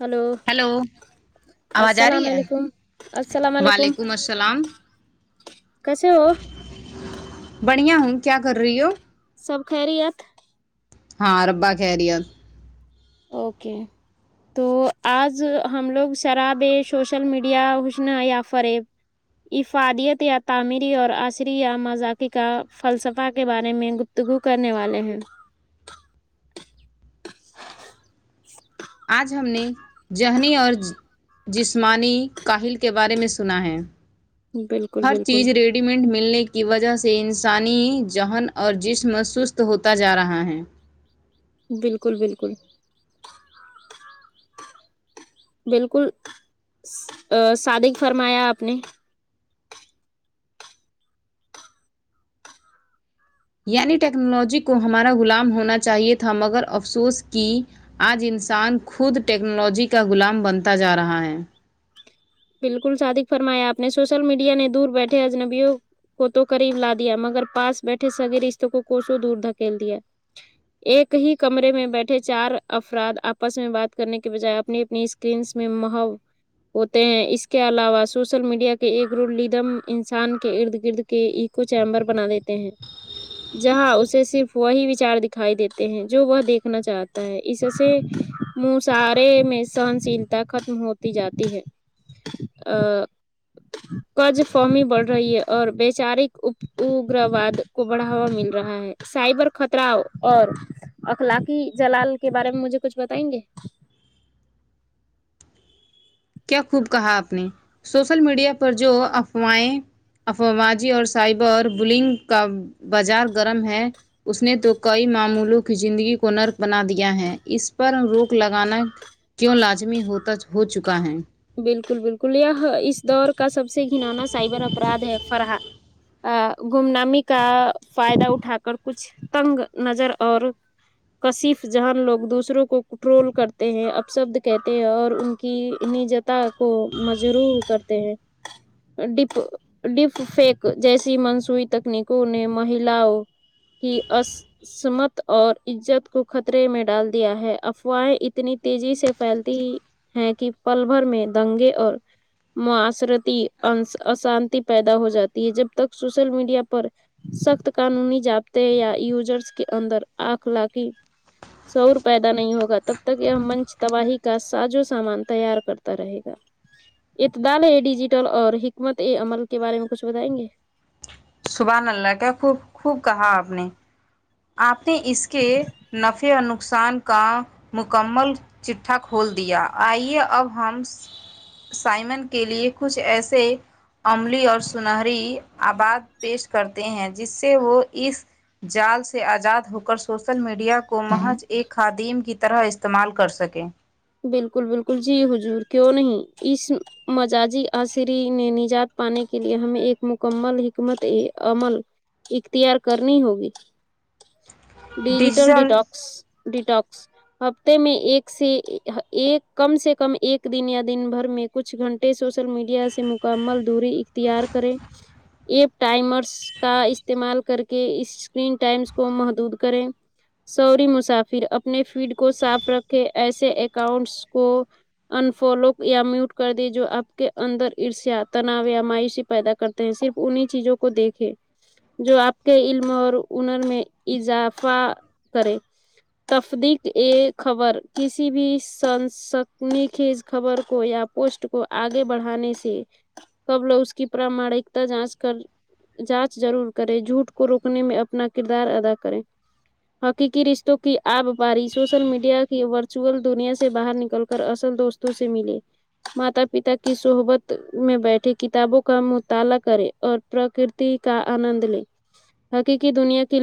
hello آواز آ السلام رہی ہے علیکم السلام علیکم وعلیکم السلام کسے ہو بڑھیا ہوں کیا کر رہی ہو سب خیریت ہاں ربع خیریت اوکے تو اج ہم لوگ شراب ہے سوشل میڈیا حسنیافرب افادیت یا تعمیری اور عصری یا مذاقی کا فلسفہ کے بارے میں گو تگو کرنے والے ہیں اج ہم نے ذہنی اور جسمانی کاہل کے بارے میں سنا ہے بالکل ہر بالکل چیز ریڈ سلیمنٹ ملنے کی وجہ سے انسانی ذہن اور جسم سست ہوتا جا رہا ہے بالکل بالکل بالکل ا صادق فرمایا اپ نے یعنی ٹیکنالوجی کو ہمارا غلام ہونا چاہیے تھا مگر افسوس کی اج انسان خود ٹیکنالوجی کا غلام بنتا جا رہا ہے بالکل صادق فرمایا اپ نے سوشل میڈیا نے دور بیٹھے اجنبیو کو تو کرریم لا دیا مگر پاس بیٹھے صبھی رشتوں کو کوشوں دور دھکیل دیا ایک ہی کمرے میں بیٹھے چار افراد اپس میں بات کرنے کے بجائے اپنی اپنی اسکرینس میں مہاؤ ہیں اس کے علاوہ سوشل میڈیا کے ایک رول لیدم انسان کے ارد گرد کے ایک کو چیمبر بنا دیتے ہیں جہاں اسے صرف وہی وچار دکھائی دیتے ہیں جو وہ دیکھنا چاہ اس سے منسارے میں سہن شیلتا ختم ہوتی جاتی ہے ا قز فومی بڑھ رہی ہے اور بیچارے اوپو گرواد کو بڑھاوا مل رہا ہے سائبر خطرا اور اخلاقی جلال کے بارے میں مجھے کچھ بتائیں گے کیا خوب کہا اپ نے سوشل میڈیا پر جو افوائے افواجی اور سائبر بلنگ کا بازار گرم ہے اس نے تو کئی معمولوں کی زندگی کو نرک بنا دیا ہے اس پر روک لگانا کیوں لازمی ہوتا ہو چکا ہے بالکل بالکل یہ اس دور کا سب سے گنانا سائبر اپرادھ ہے فرحا ا گم نامی کا فائدہ اٹھا کر کچھ تنگ نظر اور کشف جہان لوگ دوسروں کو ٹرول کرتے ہیں اپ شبد کہتے ہیں اور ان کی اہنے جتا کو مجرو کرتے ہیں ڈپ ڈپ فیک جیسی منسوئیی تکنیکوں نے محلاؤں کہ اس سمت اور عزت کو خطرے میں ڈال دیا ہے افواہیں اتنی تیزی سے پھیلتی ہے کہ پل بھر میں دنگے اور معاشرتی اشانتی پیدا ہو جاتی ہے جب تک سوشل میڈیا پر سخت قانونی جابطے یا یوزرس کے اندر اخلاقی سوور پیدا نہیں ہو گا تب تک یہ ہم منچ تباہی کا سازو سامان تیار کرتا رہے گا اطبالے ڈیجیٹل اور حکمت عمل کے بارے میں کچھ بتائیں گے سبحان اللہ کیا خوب خوب کہا اپ نے اپ نے اس کے نفعے اور نقصان کا مکمل چٹکوئیھا کھول دیا آئیے اب ہم سائمن کے لیے کچھ ایسے عملی اور سنہری او آئیپیش کرتے ہیں جس سے وہ اس جیلس سے ازاد ہو کر سوشل میڈیا کو محج ایک خادیم کی طرح استعمال کر سکے بالکل بالکل جی ہضور کیوں نہیں اس مجاجی عصری نے نجات پانے کے لیے ہمیں ایک مکمل حکمت عمل اختیار کرنی ہوگی [inaudible] ڈیجیٹل ڈٹاکس ڈٹاکس ہفتے میں ایک سے ایک کم سے کم ایک دن یا دن بھر میں کچھ گھنٹے سوشل میڈیا سے مکمل دوری اختیار کریں ایپ ٹائمرس کا استعمال کرکے اس اسکرین ٹائمس کو محدود کریں سوری مسافر اپنے فیڈ کو صاف رکھے ایسے اکاؤنٹس کو انفالو یا میوٹ کر دیں جو آپ کے اندر عرشا تناؤ یا مایشی پیدا کرتا صرف انہیں چیزوں کو دیکھے جو آپ کے علم اور ہنر میں اضافہ کرے تفدق اے خبر کسی بھی سن سکنی خیز خبر کو یا پوسٹ کو آگے بڑھانے سے قبل اس کی پرامانکتا جانچ کر جانچ ضرور کرے جھوٹ کو روکنے میں اپنا کردار ادا کرے حقیقی رشتوں کی آب پاری سوشل میڈیا کی ورچوئل دنیا سے باہر نکل کر اصل دوستوں سے ملے ماتا پتا کی صحبت میں بیٹھے کتابوں کا مطالعہ کریں اور پرکرتی کا آنند لے حقیقی دنیا کی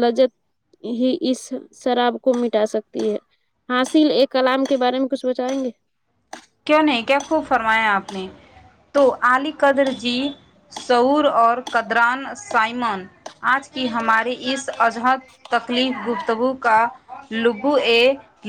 لزت ہی اس شراب کو مٹا سکتی ہے حاصل ایک کلام کے بارے میں کچھ بتائیں گے کیوں نہیں کیا خوب فرمایا آپ نے تو عالی قدر جی شعور اور قدران سائمن آج کی ہماریے اس عجہد تکلیف گفتگو کا لب اے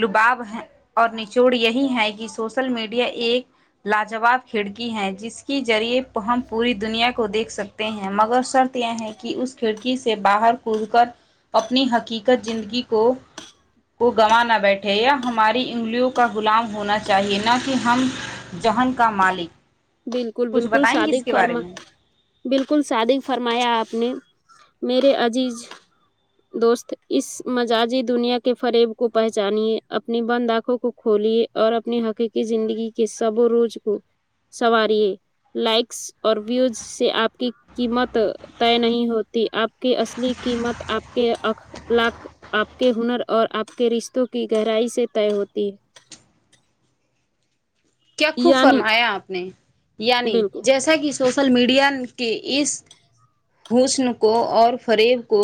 لباب ہیں اور نچوڑ یہی ہے کہ سو شل میڈیا ایک لاجواب کھڑکی ہیں جس کے ذریعے ہم پوری دنیا کو دیکھ سکتے ہیں مگر شرط یہ ہے کہ اس کھڑکی سے باہر کود کر اپنی حقیقت زندگی کو کو گوا نہ بیٹھے یا ہماری انگلیوں کا غلام ہونا چاہیے نہ کہ ہم ذ ہن کا مالک بالکل کچھ بالکل بتائیں گے صادق اس کے بارے فرما میں بالکل صادق فرمایا آپ نے میرے عزیز دوست اس مجاذی دنیا کے فریب کو پہچانیے اپنی بند آنکھوں کو کھولیے اور اپنے حقیقی زندگی کے سب و روز کو سنواریے لائکس اور ویوز سے آپ کی قیمت طے نہیں ہوتی آپ کی اصلی قیمت آپ کے اخلاق آپ کے ہنر اور آپ کے رشتوں کی گہرائی سے طے ہوتی ہے کیا خوب یعنی فرمایا آپ نے یعنی بالکل جیسا کہ سوشل میڈیا کے اس حسن کو اور فریب کو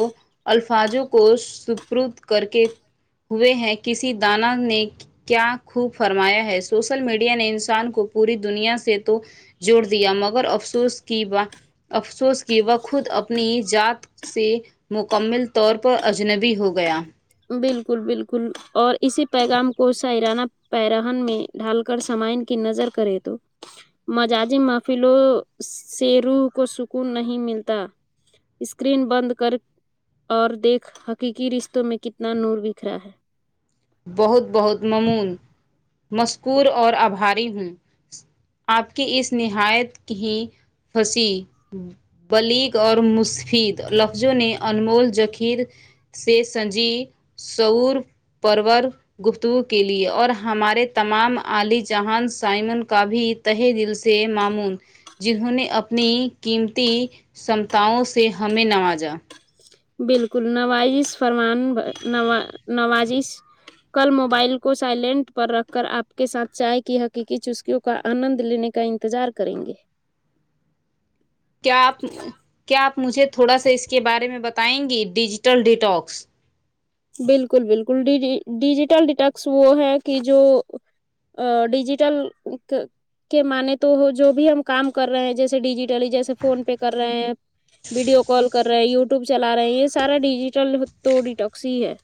الفاظوں کو سپرد کر کے ہوئے ہیں کسی دانا نے کیا خوب فرمایا ہے سوشل میڈیا نے انسان کو پوری دنیا سے تو جوڑ دیا مگر افسوس کی بات افسوس کی وہ خود اپنی ذ ات سے مکمل طور پر اجنبی ہو گیا بالکل بالکل اور اسی پیغام کو شعرانہ پیرہن میں ڈھال کر سامائن کی نظر کرے تو مجازی محفلوں سے روح کو سکون نہیں ملتا اسکرین بند کر اور دیکھ حقیقی رشتوں میں کتنا نور بکھرا ہے بہت بہت ممون مذکور اور آبھاری ہوں آپ کی اس نہایت ہی پھنسی کلیگ اور مسفید لفظوں نے انمول ذخیر سے سنجی سور پرور گفتگو کے لیے اور ہمارے تمام علی جہان سائمن کا بھی تہ دل سے معمون جنہوں نے اپنی قیمتی سمتاؤں سے ہمیں نوازا بالکل نوازش فرمان نوا نوازش کل موبائل کو سائلنٹ پر رکھ کر آپ کے ساتھ چائے کی حقیقی چسکیوں کو کا آنند لینے کا انتظار کریں گے کیا آپ کیا آپ مجھے تھوڑا سا اس کے بارے میں بتائیں گی ڈیجیٹل ڈیٹکس بالکل بالکل ڈی ڈیجیٹل ڈیٹیکس وہ ہے کہ جو ڈیجیٹل کے مان تو جو بھی ہم کام کر رہے ہیں جیسے ڈیجی ٹل جیسے فون پے کر رہے ہیں ویڈیو کال کر رہے یوٹیوب چلا رہے ہیں یہ سارا ڈیجیٹل تو ڈیٹکس ہی ہے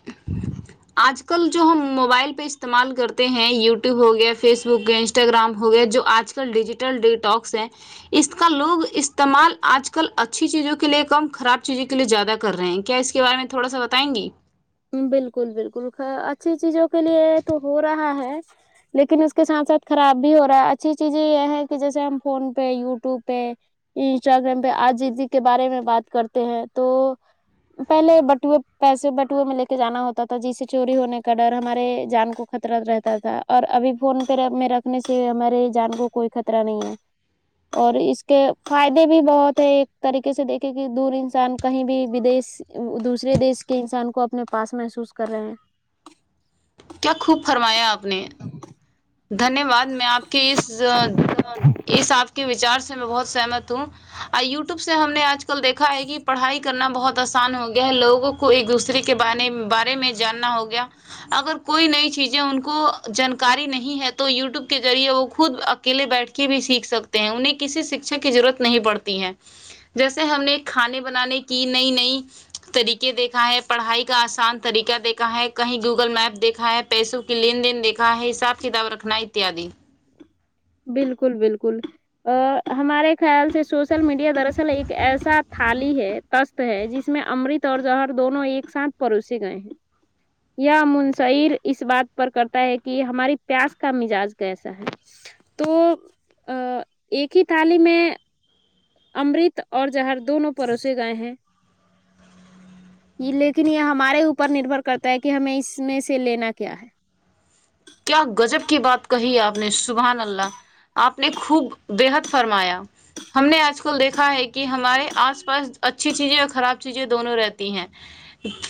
[inaudible] آج کل جو ہم موبائل پہ استعمال کرتے ہیں یوٹیوب ہو گیا فیس بک گیا انسٹاگرام ہو گیا جو آج کل ڈیجیٹل ڈیٹاکس ہیں اس کا لوگ استعمال آج کل اچھی چیزوں کے لیے کم خراب چیزوں کے لیے زیادہ کر رہے ہیں کیا اس کی کے بارے میں تھوڑا سا بتائیں گی بالکل بالکل اچھی چیزوں کے لیے تو ہو رہا ہے لیکن اس کے ساتھ ساتھ خراب بھی ہو رہا ہے اچھی چیزیں یہ ہے کہ جیسے ہم فون پہ یوٹیوب پہ انسٹاگرام پہ عاجزی کے بارے میں بات کرتے ہیں تو پہلے بٹوئے پیسے بٹوہ آٹو میں لے کے جانا ہوتا تھا جسے چوری ہونے کا ڈر ہمارے جان کو خطرہ رہتا تھا اور ابھی فون پہ میں رکھنے سے ہمارے جان کو کوئی خطرہ نہیں ہے اور اس کے فائدے بھی بہت ہے ایک طریقے سے دیکھے کہ دور انسان کہیں بھی بدیش دوسرے دیش کے انسان کو اپنے پاس محسوس کر رہے ہیں کیا خوب فرمایا آپ نے دھنیہ واد میں آپ کے اس اس آپ کے وچار سے میں بہت سہمت ہوں اور یو ٹیوب سے ہم نے آج کل دیکھا ہے کہ پڑھائی کی کرنا بہت آسان ہو گیا ہے لوگوں کو ایک دوسرے کے بارے میں جاننا ہو گیا اگر کوئی نئی چیزیں ان کو جانکاری نہیں ہے تو یو ٹیوب کے ذریعے وہ خود اکیلے بیٹھ کے بھی سیکھ سکتے ہیں انہیں کسی شکھا کی ضرورت نہیں پڑتی ہیں جیسے ہم نے کھانے بنانے کی نئی نئی طریقے دیکھا ہے پڑھائی کا آسان طریقہ دیکھا ہے کہیں گوگل میپ دیکھا ہے پیسوں کی لین دین دیکھا ہے حساب کتاب رکھنا اتیادی بالکل بالکل ا ہمارے خیال سے سوشل میڈیا درصل ایک ایسا تھالی ہے ہے جس میں امرت اور جوہر دونوں ایک ساتھ پروسے گئے ہیں یا منشر اس بات پر کرتا ہے کہ ہماری پیاس کا مزاج کیسا ہے تو ایک ہی تھالی میں امرت اور جہر دونوں پڑوسے گائے ہیں یہ لیکن یہ ہمارے اوپر نربھر کرتا ہے کہ ہمیں اس میں سے لینا کیا ہے کیا غظب کی بات کہی آپ نے سبحان اللہ آپ نے خوب بےحد فرمایا ہم نے آج کل دیکھا ہے کہ ہمارے آس پاس اچھی چیزیں اور خراب چیزیں دونوں رہتی ہیں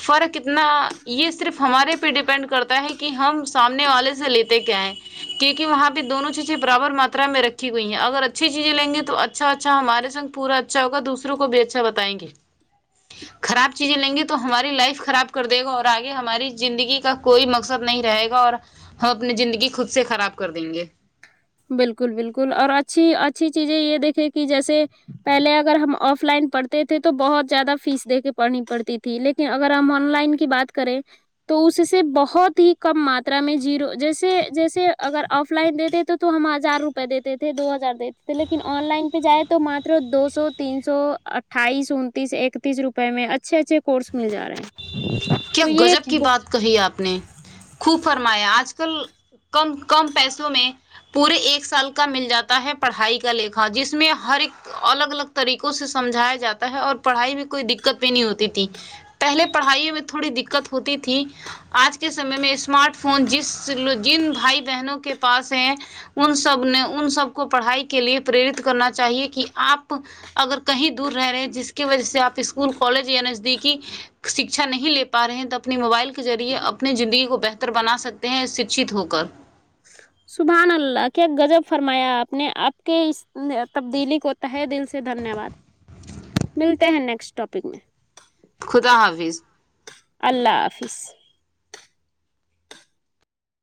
فرق اتنا یہ صرف ہمارے پہ ڈیپینڈ کرتا ہے کہ ہم سات اپنے والے سے لیتے کیا ہے کیونکہ وہاں پہ دونوں چیزیں برابر ماترا میں رکھی گئی ہیں اگر اچھی چیزیں لیں گے تو اچھا اچھا اچھا ہمارے سنگ پورا اچھا ہوگ دوسروں کو بھی اچھا بتائیں گے خراب چیزیں لیں گی تو ہماری لائف خراب کر دے گا اور آگے ہماری زندگی کا کوئی مقصد نہیں رہے گا اور اپنی زندگی خود سے خراب کر دیں گے بالکل بالکل اور اچھی اچھی چیزیں یہ دیکھیں کہ جیسے پہلے اگر ہم آف لائن پڑھتے تھے تو بہت زیادہ فیس دے کے پڑھنی پڑتی تھی لیکن اگر ہم آن لائن کی بات کریں تو اس سے بہت ہی کم ماترا میں جیرو جیسے جیسے اگر آف لائن دیتے تو ہم ہزار روپئے دیتے تھے دو ہزار دیتے تھے لیکن آن لائن پہ جائے تو ماتر دو سو تین سو اٹھ اٹھائیس انتیس اکتیس روپے میں اچھے اچھے کورس مل جا رہے ہیں کیا تو یہ گجب ایک کی بہت- بات کہی آپ نے خوب فرمایا آج کل کم کم پیسوں میں پورے ایک سال کا مل جاتا ہے پڑھائی کا لیکھا جس میں ہر ایک الگ الگ طریقوں سے سمجھایا جاتا ہے اور پڑھائی میں کوئی دقت بھی نہیں ہوتی تھی پہلے پڑھائی میں تھوڑی دقت ہوتی تھی آج کے سمے میں اسمارٹ فون جس جن بھائی بہنوں کے پاس ہیں ان سب نے ان سب کو پڑھائی کے لیے پریرت کرنا چاہیے کہ آپ اگر کہیں دور رہ رہے ہیں جس کی وجہ سے آپ اسکول کالج یا نزدیکی شکھا نہیں لے پ پا رہے ہیں تو اپنی موبائل کے ذریعے اپنی زندگی کو بہتر بنا سکتے ہیں شکھت ہو کر سبحان اللہ کیا غذب فرمایا آپ نے آپ کے اس تبدیلی کو تہ دل سے دھنیہ واد ملتے ہیں نیکسٹ ٹاپک میں خدا حافظ اللہ حافظ